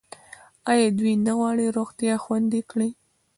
آیا دوی نه غواړي روغتیا خوندي کړي؟